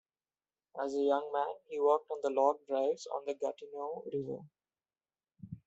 As a young man, he worked on the log drives on the Gatineau River.